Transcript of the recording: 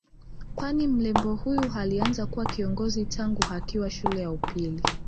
Kwani mrembo huyu alianza kuwa kiongozi tangu akiwa shule ya upili